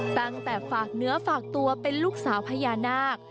ตั้งแต่ฝากเนื้อฝากตัวเป็นลูกสาวพญานาค